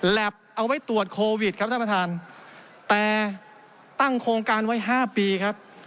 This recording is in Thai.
เอาไว้ตรวจโควิดครับท่านประธานแต่ตั้งโครงการไว้ห้าปีครับ